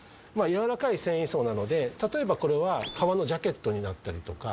やわらかい繊維層なので例えばこれは革のジャケットになったりとか。